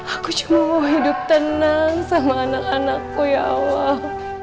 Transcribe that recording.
aku cuma mau hidup tenang sama anak anakku ya allah